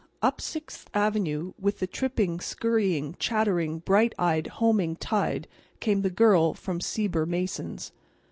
Up Sixth avenue, with the tripping, scurrying, chattering, bright eyed, homing tide came the Girl from Sieber Mason's.